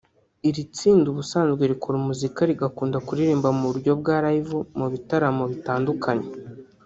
Iri tsinda ubusanzwe rikora muzika rigakunda kuririmba mu buryo bwa live mu bitaramo bitandukanye